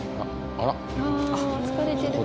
あ疲れてるよな